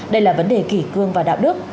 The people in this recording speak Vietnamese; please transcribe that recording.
đây là vấn đề kỷ cương và đạo đức